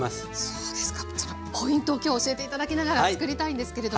そのポイントを今日は教えて頂きながらつくりたいんですけれども。